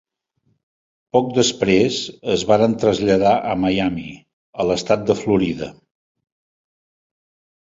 Poc després es varen traslladar a Miami, a l'estat de Florida.